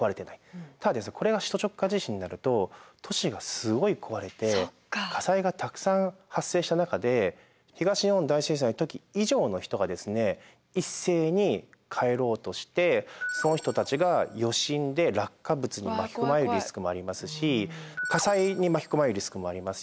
ただこれが首都直下地震になると都市がすごい壊れて火災がたくさん発生した中で東日本大震災の時以上の人が一斉に帰ろうとしてその人たちが余震で落下物に巻き込まれるリスクもありますし火災に巻き込まれるリスクもありますよね。